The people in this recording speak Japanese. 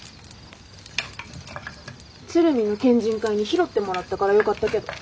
鶴見の県人会に拾ってもらったからよかったけど。